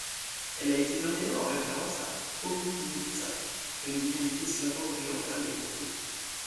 Elle a été nommée en référence à Omutnitsa, une divinité slavo-orientale des cours d'eau.